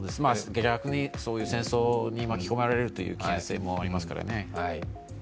逆にそういう戦争に巻き込まれる危険性もありますからね。